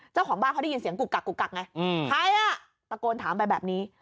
เจ้าของบ้านเขาได้ยินเสียงกุกกักกุกกักไงใครอ่ะตะโกนถามไปแบบนี้